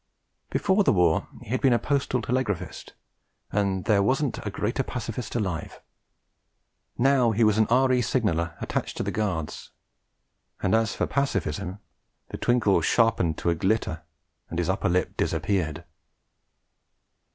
Before the war he had been a postal telegraphist, and 'there wasn't a greater pacifist alive'; now he was an R.E. signaller attached to the Guards, and as for pacifism the twinkle sharpened to a glitter and his upper lip disappeared.